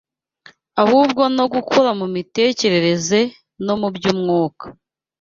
ahubwo no gukura mu mitekerereze no mu by’umwuka